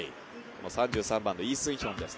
３３番のイ・スヒョンです。